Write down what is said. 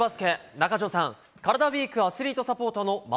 中条さん、カラダＷＥＥＫアスリートサポートの馬瓜